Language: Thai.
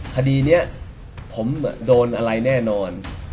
คดีนี้ผมโดนอะไรแน่นอน